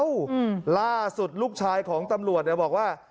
ให้ล่าสุดลูกชายของตำรวจบอกว่า